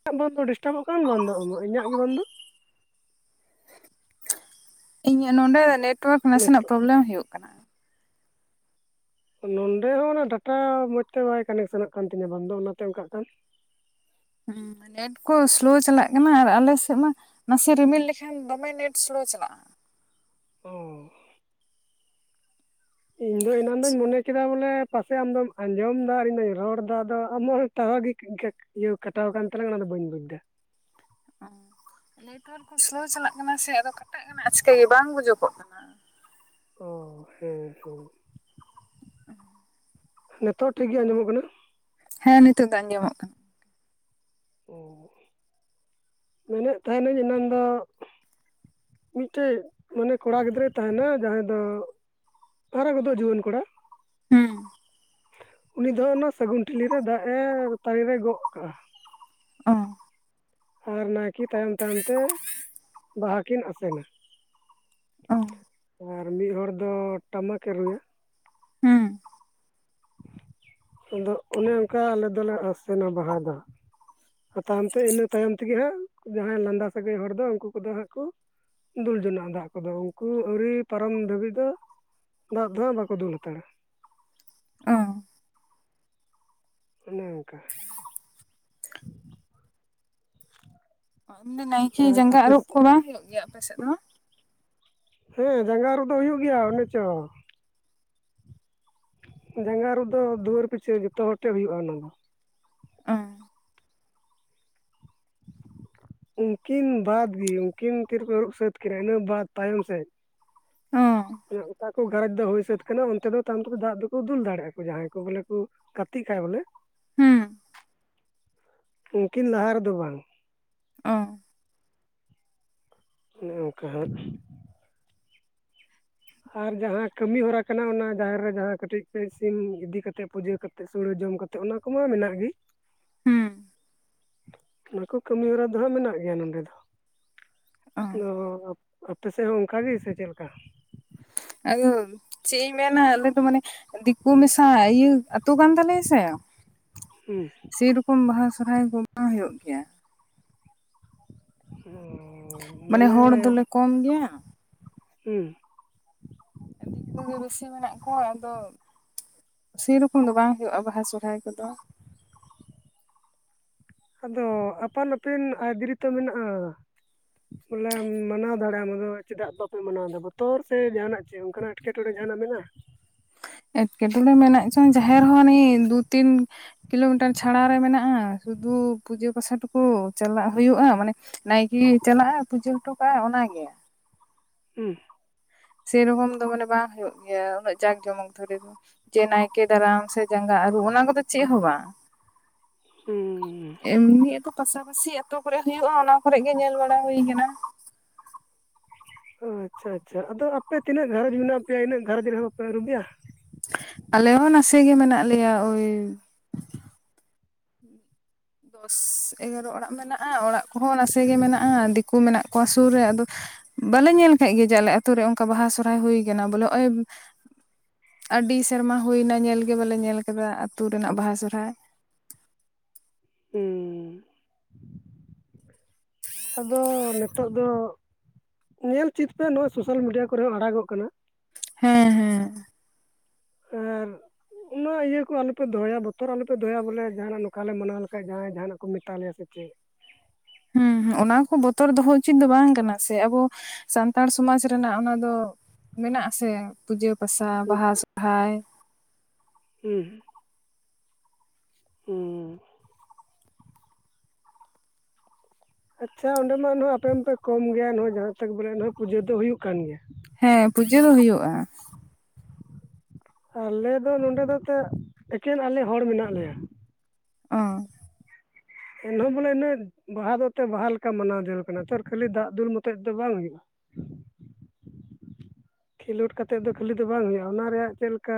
ᱤᱧᱟᱹᱜ ᱵᱚᱱᱫᱚ ᱰᱤᱥᱴᱟᱵᱚᱜ ᱠᱟᱱ ᱵᱚᱱᱫᱚᱜ ᱟᱢᱟᱜ ᱤᱧᱟᱹᱜ ᱜᱮ ᱵᱚᱱᱫᱚ! ᱤᱧᱟᱹᱜ ᱱᱚᱸᱰᱮ ᱱᱮᱴᱣᱟᱨᱠ ᱱᱟᱥᱮᱱᱟᱜ ᱱᱤᱛᱚᱜ ᱯᱨᱚᱵᱮᱞᱮᱢ ᱦᱩᱭᱩᱜ ᱠᱟᱱᱟ ᱾ ᱱᱚᱸᱰᱮ ᱦᱚᱸ ᱚᱱᱟ ᱰᱟᱴᱟ ᱢᱚᱸᱡᱽ ᱛᱮ ᱵᱟᱭ ᱠᱟᱱᱮᱠᱥᱚᱱᱚᱜ ᱠᱟᱱ ᱛᱤᱧᱟᱹ ᱵᱟᱝᱫᱚ ᱚᱱᱟᱛᱮ ᱚᱱᱠᱟᱜ ᱠᱟᱱ! ᱦᱮᱸ, ᱱᱮᱴ ᱠᱚ ᱥᱞᱳ ᱪᱟᱞᱟᱜ ᱠᱟᱱᱟ ᱟᱨ ᱟᱞᱮᱥᱮᱜ ᱢᱟ ᱱᱟᱥᱮ ᱨᱤᱢᱤᱞ ᱞᱮᱠᱷᱟᱱ ᱫᱚᱢᱮ ᱱᱮᱴ ᱥᱞᱳ ᱪᱟᱞᱟᱜᱼᱟ ᱾ ᱚ ᱾ ᱤᱧ ᱫᱚ ᱮᱱᱟᱱ ᱫᱚᱧ ᱢᱚᱱᱮ ᱠᱮᱫᱟ ᱵᱚᱞᱮ ᱯᱟᱥᱮᱜ ᱟᱢᱫᱚᱢ ᱟᱸᱡᱚᱢᱮᱫᱟ ᱟᱨ ᱤᱧᱫᱚᱧ ᱨᱚᱲ ᱮᱫᱟ, ᱟᱫᱚ ᱟᱢᱟᱜ ᱴᱟᱣᱟᱨ ᱜᱮ [inaudible] ᱤᱭᱟᱹ ᱠᱟᱴᱟᱣ ᱠᱟᱱ ᱛᱟᱞᱟᱝ ᱚᱱᱟ ᱫᱚ ᱵᱟᱹᱧ ᱵᱩᱡᱽᱫᱟ ᱾ ᱱᱮᱴᱣᱟᱨᱠ ᱠᱚ ᱥᱞᱳ ᱪᱟᱞᱟᱜ ᱠᱟᱱᱟ ᱥᱮ ᱟᱫᱚ ᱠᱟᱴᱟᱜ ᱠᱟᱱᱟ ᱟᱪᱠᱟᱹ ᱜᱮ ᱵᱟᱝ ᱜᱩᱡᱩᱜᱚᱜ ᱠᱟᱱᱟ ᱾ ᱚ ᱦᱮᱸ ᱦᱮᱸ ᱾ ᱱᱤᱛᱚᱜ ᱴᱷᱤᱠ ᱜᱮ ᱟᱸᱡᱚᱢᱚᱜ ᱠᱟᱱᱟ? ᱦᱮᱸ, ᱱᱤᱛᱚᱜ ᱫᱚ ᱟᱸᱡᱚᱢᱚᱜ ᱠᱟᱱᱟ ᱾ ᱚ, ᱢᱮᱱᱮᱫ ᱛᱟᱦᱮᱱᱟᱹᱧ ᱮᱱᱟᱱ ᱫᱚ ᱢᱤᱫᱴᱮᱡ ᱢᱟᱱᱮ ᱠᱚᱲᱟ ᱜᱤᱫᱽᱨᱟᱹᱭ ᱛᱟᱦᱮᱱᱟ ᱡᱟᱦᱟᱸᱭ ᱫᱚ ᱦᱟᱨᱟ ᱜᱚᱫᱚᱜ ᱡᱩᱣᱟᱹᱱ ᱠᱚᱲᱟ ᱾ ᱦᱩᱸ ᱾ ᱩᱱᱤ ᱫᱚ ᱚᱱᱟ ᱥᱟᱹᱜᱩᱱ ᱴᱷᱤᱞᱤᱨᱮ ᱫᱟᱜ ᱮ ᱛᱟᱨᱮᱱ ᱨᱮ ᱜᱚᱜ ᱟᱠᱟᱜᱼᱟ ᱾ ᱚ ᱾ ᱟᱨ ᱱᱟᱭᱠᱮ ᱛᱟᱭᱚᱢ ᱛᱟᱭᱚᱢ ᱛᱮ ᱵᱟᱦᱟ ᱠᱤᱱ ᱟᱥᱮᱱᱟ ᱚᱸᱜ ᱟᱨ ᱢᱤᱫ ᱦᱚᱲ ᱫᱚ ᱴᱟᱢᱟᱠ ᱮ ᱨᱩᱭᱟ ᱦᱩᱸ ᱟᱫᱚ ᱚᱱᱮ ᱚᱱᱠᱟ ᱟᱞᱮ ᱫᱚᱞᱮ ᱟᱥᱮᱱᱟ ᱵᱟᱦᱟ ᱫᱚᱼᱼ ᱛᱟᱭᱚᱢ ᱛᱮ ᱤᱱᱟᱹ ᱛᱟᱭᱚᱢ ᱛᱮᱜᱮ ᱦᱟᱸᱜ ᱡᱟᱦᱟᱸᱭ ᱞᱟᱸᱫᱟ ᱥᱟᱹᱜᱟᱹᱭ ᱦᱚᱲ ᱫᱚ ᱩᱱᱠᱩ ᱠᱚᱫᱚ ᱦᱟᱸᱜ ᱠᱚᱼᱼ ᱫᱩᱞ ᱡᱚᱱᱟᱜ ᱫᱟᱜ ᱠᱚ ᱫᱚ ᱩᱱᱠᱩ ᱟᱹᱣᱨᱤ ᱯᱟᱨᱚᱢ ᱫᱷᱟᱹᱵᱤᱡ ᱫᱚ ᱫᱟᱜ ᱫᱚ ᱦᱟᱸᱜ ᱵᱟᱠᱚ ᱫᱩᱞ ᱦᱟᱛᱟᱲᱟ ᱚ ᱚᱱᱮ ᱚᱱᱠᱟᱼᱼ [unintelligible] ᱱᱟᱭᱠᱮ ᱡᱟᱸᱜᱟ ᱟᱹᱨᱩᱵ ᱠᱚ ᱵᱟᱝ ᱦᱩᱭᱩᱜ ᱜᱮᱭᱟ ᱟᱯᱮ ᱥᱮᱫ ᱫᱚ? ᱦᱮᱸ ᱡᱟᱸᱜᱟ ᱟᱹᱨᱩᱵ ᱫᱚ ᱦᱩᱭᱩᱜ ᱜᱮᱭᱟ ᱚᱱᱮ ᱪᱚ ᱡᱟᱸᱜᱟ ᱟᱹᱨᱩᱵ ᱫᱚ ᱫᱩᱣᱟᱹᱨ ᱯᱤᱪᱷᱟᱹ ᱡᱚᱛᱚ ᱦᱚᱲ ᱴᱷᱮᱡ ᱦᱩᱭᱩᱜᱼᱟ ᱚᱱᱟ ᱫᱚᱼᱼ [unintelligible] ᱩᱱᱠᱤᱱ ᱵᱟᱫᱽ ᱜᱮ ᱩᱱᱠᱤᱱ ᱛᱤ ᱨᱮᱠᱚ ᱟᱹᱨᱩᱵ ᱥᱟᱹᱛ ᱠᱤᱱᱟ ᱤᱱᱟᱹ ᱵᱟᱫᱽ ᱛᱟᱭᱚᱢ ᱥᱮᱫ ᱦᱚᱸ ᱢᱟᱱᱮ ᱚᱠᱟ ᱠᱚ ᱜᱷᱟᱨᱚᱸᱡᱽ ᱫᱚ ᱦᱩᱭ ᱥᱟᱹᱛ ᱠᱟᱱᱟ ᱚᱱᱛᱮ ᱫᱚ ᱛᱟᱭᱚᱢ ᱛᱮᱫᱚ ᱫᱟᱜ ᱫᱚᱠᱚ ᱫᱩᱞ ᱫᱟᱲᱮᱭᱟᱜᱼᱟ ᱠᱚ ᱡᱟᱦᱟᱸᱭ ᱠᱚ ᱵᱚᱞᱮ ᱠᱚ ᱜᱟᱛᱮᱜ ᱠᱷᱟᱡ ᱵᱚᱞᱮ ᱦᱩᱸ ᱩᱱᱠᱤᱱ ᱞᱟᱦᱟ ᱨᱮᱫᱚ ᱵᱟᱝ ᱚᱸᱻ ᱚᱱᱮ ᱚᱱᱠᱟ ᱦᱟᱸᱜᱼᱼ ᱟᱨ ᱡᱟᱦᱟᱸ ᱠᱟᱹᱢᱤ ᱦᱚᱨᱟ ᱠᱟᱱᱟ ᱚᱱᱟ ᱡᱟᱦᱮᱨ ᱨᱮ ᱡᱟᱦᱟᱸ ᱠᱟᱹᱴᱤᱡ [unintelligible] ᱥᱤᱢ ᱤᱫᱤ ᱠᱟᱛᱮᱜ ᱯᱩᱡᱟᱹ ᱠᱟᱛᱮᱜ ᱛᱮᱫ ᱥᱩᱲᱟᱹ ᱡᱚᱢ ᱠᱟᱛᱮᱜ ᱚᱱᱟ ᱠᱚᱢᱟ ᱢᱮᱱᱟᱜ ᱜᱮᱼᱼ ᱦᱩᱸ ᱚᱱᱟ ᱠᱚ ᱠᱟᱹᱢᱤ ᱦᱚᱨᱟ ᱫᱚ ᱦᱟᱸᱜ ᱢᱮᱱᱟᱜ ᱜᱮᱭᱟ ᱱᱚᱸᱰᱮ ᱫᱚ ᱚ ᱟᱫᱚ ᱟᱯᱮ ᱥᱮᱫ ᱦᱚᱸ ᱚᱱᱠᱟ ᱜᱮ ᱥᱮ ᱪᱮᱫ ᱞᱮᱠᱟ? [unintelligible] ᱪᱮᱫ ᱤᱧ ᱢᱮᱱᱟ ᱟᱞᱮ ᱫᱚ ᱢᱟᱱᱮ ᱫᱤᱠᱩ ᱢᱮᱥᱟ ᱤᱭᱟᱹ ᱟᱛᱳ ᱠᱟᱱ ᱛᱟᱞᱮᱭᱟ ᱥᱮ? ᱦᱮᱸ ᱥᱮᱨᱚᱠᱚᱢ ᱵᱟᱦᱟ ᱥᱚᱦᱨᱟᱭ ᱠᱚ ᱵᱟᱝ ᱦᱩᱭᱩᱜ ᱜᱮᱭᱟ ᱾ ᱚ ᱢᱟᱱᱮ ᱦᱚᱲ ᱫᱚᱞᱮ ᱠᱚᱢ ᱜᱮᱭᱟ ᱦᱮᱸ ᱫᱤᱠᱩ ᱜᱮ ᱵᱮᱥᱤ ᱢᱮᱱᱟᱜ ᱠᱚᱣᱟ ᱟᱫᱚᱼᱼ ᱥᱮᱨᱚᱠᱚᱢ ᱫᱚ ᱵᱟᱝ ᱦᱩᱭᱩᱜᱼᱟ ᱵᱟᱦᱟ ᱥᱚᱦᱨᱟᱭ ᱠᱚᱫᱚ ᱟᱫᱚ ᱟᱯᱟᱱ ᱟᱹᱯᱤᱱ ᱟᱭᱫᱟᱹᱨᱤ ᱛᱚ ᱢᱮᱱᱟᱜᱼᱟ? ᱵᱚᱞᱮ ᱢᱟᱱᱟᱣ ᱫᱟᱲᱮ ᱟᱢ ᱟᱫᱚ ᱪᱮᱫᱟᱜ ᱵᱟᱯᱮ ᱢᱟᱱᱟᱣ ᱮᱫᱟ ᱵᱚᱛᱚᱨ ᱥᱮ ᱡᱟᱦᱟᱱᱟᱜ ᱪᱮᱫ ᱚᱱᱠᱟᱱᱟᱜ? ᱮᱸᱴᱠᱮᱴᱚᱬᱮ ᱡᱟᱦᱟᱸᱱᱟᱜ ᱢᱮᱱᱟᱜᱼᱟ? ᱮᱸᱴᱠᱮᱴᱚᱬᱮ ᱢᱮᱱᱟᱜ ᱪᱚᱝ ᱡᱟᱦᱮᱨ ᱦᱚᱸ ᱩᱱᱤ ᱫᱩ ᱛᱤᱱ ᱠᱤᱞᱳᱢᱤᱴᱟᱨ ᱪᱷᱟᱲᱟ ᱨᱮ ᱢᱮᱱᱟᱜᱼᱟ ᱥᱩᱫᱩ ᱯᱩᱡᱟᱹ ᱯᱟᱥᱟ ᱴᱩᱠᱩ ᱪᱟᱞᱟᱜ ᱦᱩᱭᱩᱜᱼᱟ ᱢᱟᱱᱮ ᱱᱟᱭᱠᱮ ᱪᱟᱞᱟᱜᱼᱟ ᱯᱩᱡᱟᱹ ᱦᱚᱴᱚ ᱠᱟᱜᱼᱟᱭ ᱚᱱᱟ ᱜᱮᱼᱼ ᱦᱩᱸ ᱥᱮᱨᱚᱠᱚᱢ ᱫᱚ ᱢᱟᱱᱮ ᱵᱟᱝ ᱦᱩᱭᱩᱜ ᱜᱮᱭᱟ ᱩᱱᱟᱹᱜ ᱡᱟᱠ ᱡᱚᱢᱚᱠ ᱫᱷᱚᱨᱮ ᱫᱚ ᱡᱮ ᱱᱟᱭᱠᱮ ᱫᱟᱨᱟᱢ ᱥᱮ ᱡᱟᱸᱜᱟ ᱟᱹᱨᱩᱰ ᱚᱱᱟ ᱠᱚᱫᱚ ᱪᱮᱫ ᱦᱚᱸ ᱵᱟᱝ ᱦᱩᱸ ᱮᱢᱱᱤ ᱟᱫᱚ ᱯᱟᱥᱟᱯᱟᱹᱥᱤ ᱟᱛᱳ ᱠᱚᱨᱮ ᱦᱩᱭᱩᱜᱼᱟ ᱚᱱᱟ ᱠᱚᱨᱮ ᱜᱮ ᱧᱮᱞ ᱵᱟᱲᱟ ᱦᱩᱭ ᱟᱠᱟᱱᱟ ᱾ ᱚ ᱟᱪᱪᱷᱟ ᱟᱪᱪᱷᱟ ᱟᱫᱚ ᱟᱯᱮ ᱛᱤᱱᱟᱹᱜ ᱜᱷᱟᱨᱚᱸᱡᱽ ᱢᱮᱱᱟᱜ ᱯᱮᱭᱟ ᱤᱱᱟᱹᱜ ᱜᱷᱟᱨᱚᱸᱡᱽ ᱨᱮᱦᱚᱸ ᱵᱟᱯᱮ ᱟᱹᱨᱩᱵᱮᱭᱟ? ᱟᱞᱮ ᱦᱚᱸ ᱱᱟᱥᱮ ᱜᱮ ᱢᱮᱱᱟᱜ ᱞᱮᱭᱟ ᱳᱭᱼᱼ ᱫᱚᱥ ᱮᱜᱟᱨᱚ ᱚᱲᱟᱜ ᱢᱮᱱᱟᱜᱼᱟ ᱚᱲᱟᱜ ᱠᱚᱦᱚᱸ ᱱᱟᱥᱮ ᱜᱮ ᱢᱮᱱᱟᱜᱼᱟ ᱫᱤᱠᱩ ᱢᱮᱱᱟᱜ ᱠᱚᱣᱟ ᱥᱩᱨ ᱨᱮ ᱟᱫᱚᱼᱼ ᱵᱟᱞᱮ ᱧᱮᱞ ᱠᱟᱜ ᱜᱮ ᱡᱮ ᱟᱞᱮ ᱟᱛᱳ ᱨᱮ ᱚᱱᱠᱟ ᱵᱟᱦᱟ ᱥᱚᱦᱨᱟᱭ ᱦᱩᱭ ᱠᱟᱱᱟ ᱵᱚᱞᱮ ᱱᱚᱜᱼᱚᱭ ᱟᱹᱰᱤ ᱥᱮᱨᱢᱟ ᱦᱩᱭ ᱮᱱᱟ ᱧᱮᱞᱜᱮ ᱵᱟᱞᱮ ᱧᱮᱞ ᱟᱠᱟᱫᱟ ᱟᱛᱳ ᱨᱮᱱᱟᱜ ᱵᱟᱦᱟ ᱥᱚᱦᱨᱟᱭ᱾ ᱦᱸᱻ ᱟᱫᱚ ᱱᱤᱛᱚᱜ ᱫᱚ ᱧᱮᱞ ᱪᱮᱫ ᱯᱮ ᱱᱚᱜᱼᱚᱭ ᱥᱳᱥᱟᱞ ᱢᱤᱰᱤᱭᱟ ᱠᱚᱨᱮ ᱦᱚᱸ ᱟᱲᱟ ᱜᱚᱜ ᱠᱟᱱᱟ ᱾ ᱦᱮᱸ ᱦᱮᱸ ᱟᱨ, ᱚᱱᱟ ᱤᱭᱟᱹ ᱠᱚ ᱟᱞᱚᱯᱮ ᱫᱚᱦᱚᱭᱟ ᱵᱚᱛᱚᱨ ᱟᱞᱚᱯᱮ ᱫᱚᱦᱚᱭᱟ ᱵᱚᱞᱮ ᱡᱟᱦᱟᱱᱟᱜ ᱱᱚᱝᱠᱟᱞ ᱞᱮ ᱢᱟᱱᱟᱣ ᱞᱮᱠᱷᱟᱡ ᱡᱟᱦᱟᱸᱭ ᱡᱟᱦᱟᱱᱟᱜ ᱠᱚ ᱢᱮᱛᱟ ᱞᱮᱭᱟ ᱥᱮ ᱪᱮᱫ᱾ ᱦᱮᱸ ᱚᱱᱟ ᱠᱚ ᱵᱚᱛᱚᱨ ᱫᱚᱦᱚᱸ ᱩᱪᱤᱛ ᱫᱚ ᱵᱟᱝ ᱠᱟᱱᱟ ᱥᱮ ᱟᱵᱚ ᱥᱟᱱᱛᱟᱲ ᱥᱚᱢᱟᱡ ᱨᱮᱱᱟᱜ ᱚᱱᱟ ᱫᱚᱼᱼ ᱢᱮᱱᱟᱜ ᱟᱥᱮ ᱯᱩᱡᱟᱹ ᱯᱟᱥᱟ ᱦᱩᱸ ᱵᱟᱦᱟ ᱥᱚᱦᱨᱟᱭ ᱦᱩᱸ ᱦᱩᱸ ᱟᱪᱪᱷᱟ ᱚᱸᱰᱮ ᱢᱟ ᱟᱯᱮ ᱢᱟᱯᱮ ᱠᱚᱢ ᱜᱮᱭᱟ ᱡᱟᱦᱟᱸ ᱵᱚᱞᱮ ᱯᱩᱡᱟᱹ ᱫᱚ ᱦᱩᱭᱩᱜ ᱠᱟᱱ ᱜᱮᱭᱟ᱾ ᱦᱮᱸ ᱯᱩᱡᱟᱹ ᱫᱚ ᱦᱩᱭᱩᱜᱼᱟ᱾ ᱟᱞᱮ ᱫᱚ ᱱᱚᱸᱰᱮ ᱫᱚ ᱮᱱᱛᱮᱫ ᱮᱠᱮᱱ ᱟᱞᱮ ᱦᱚᱲ ᱢᱮᱱᱟᱜ ᱞᱮᱭᱟ᱾ ᱚ‍‍ᱸᱻ ᱮᱱᱦᱚᱸ ᱵᱚᱞᱮ ᱤᱱᱟᱹᱜ ᱵᱟᱦᱟ ᱫᱚ ᱮᱱᱛᱮᱫ ᱵᱟᱦᱟ ᱞᱮᱠᱟ ᱢᱟᱱᱟᱣ ᱡᱟᱨᱩᱲ ᱠᱟᱱᱟ ᱛᱚ ᱠᱷᱟᱹᱞᱤ ᱫᱟᱜ ᱫᱩᱞ ᱢᱚᱛᱚᱡ ᱫᱚ ᱵᱟᱝ ᱦᱩᱭᱩᱜᱼᱟ᱾ ᱠᱷᱮᱞᱳᱰ ᱠᱟᱛᱮᱫ ᱫᱚ ᱠᱷᱟᱹᱞᱤ ᱫᱚ ᱵᱟᱝ ᱦᱩᱭᱩᱜᱼᱟ ᱚᱱᱟ ᱨᱮᱭᱟᱜ ᱪᱮᱫ ᱞᱮᱠᱟ᱾